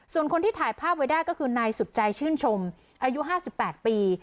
ส่วนคนที่ถ่ายภาพไว้ได้ก็คือนายสุดใจชื่นชมอายุ๕๘ปี